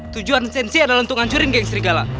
tujuan sensi adalah untuk ngancurin geng serigala